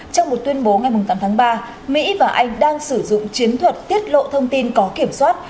trong một tuyên bố ngày tám tháng ba mỹ và anh đang sử dụng chiến thuật tiết lộ thông tin có kiểm soát